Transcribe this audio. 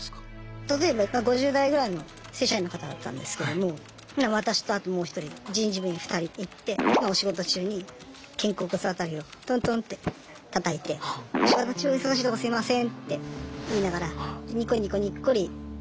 例えば５０代ぐらいの正社員の方だったんですけども私とあともう一人人事部員ふたり行ってお仕事中に肩甲骨あたりをトントンッてたたいて「お仕事中お忙しいとこすいません」って言いながらニコニコにっこり話して別室へ。